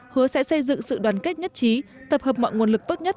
hứa sẽ xây dựng sự đoàn kết nhất trí tập hợp mọi nguồn lực tốt nhất